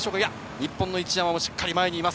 日本の一山もしっかり前にいます。